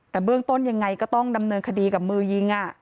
แต่เบื้องต้นยังไงก็ต้องดำเนินคดีกับมือยิง